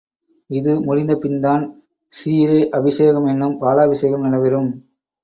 இது முடிந்த பின்தான் க்ஷீர அபிஷேகம் என்னும் பாலபிஷேகம் நடைபெறும்.